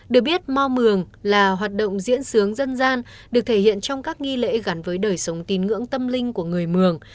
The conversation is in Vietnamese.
được biết mò mường là hoạt động diễn xướng dân gian được thể hiện trong các nghi lễ gắn với đời sống tín ngưỡng tâm linh của người mường